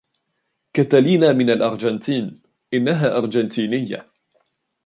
كاتالينا من الأرجنتين. إنها أرجنتينية.